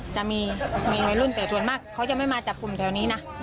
จะมีวัยรุ่นแต่ส่วนมากเขาจะไม่มาจับกลุ่มแถวนี้นะ